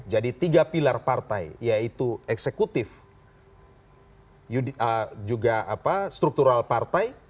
jadi tiga pilar partai yaitu eksekutif juga apa struktural partai